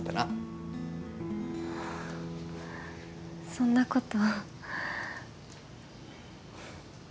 そんなこと。